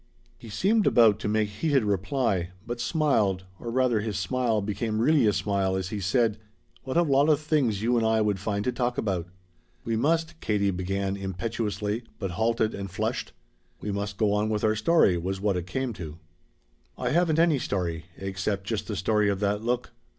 He seemed about to make heated reply, but smiled, or rather his smile became really a smile as he said: "What a lot of things you and I would find to talk about." "We must " Katie began impetuously, but halted and flushed. "We must go on with our story," was what it came to. "I haven't any story, except just the story of that look.